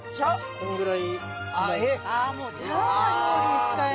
このぐらい。